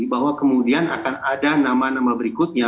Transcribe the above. bahwa kemudian akan ada nama nama berikutnya